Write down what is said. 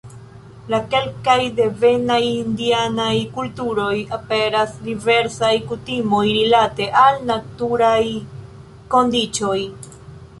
En kelkaj devenaj indianaj kulturoj aperas diversaj kutimoj rilate al naturaj kondiĉoj.